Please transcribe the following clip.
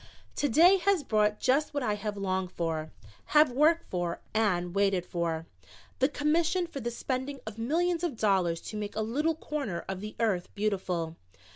"To day has brought just what I have longed for, have worked for and waited for, the commission for the spending of millions of dollars to make a little corner of the earth beautiful.